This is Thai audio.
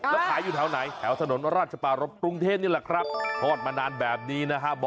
แล้วขายอยู่แถวไหน